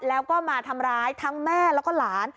แล้วก็มาทำร้ายทั้งแม่แล้วก็หลาน